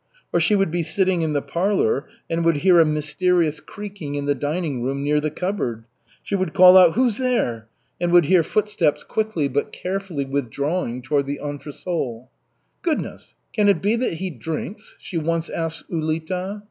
Or she would be sitting in the parlor and would hear a mysterious creaking in the dining room near the cupboard. She would call out, "Who's there?" and would hear footsteps quickly but carefully withdrawing toward the entresol. "Goodness, can it be that he drinks?" she once asked Ulita.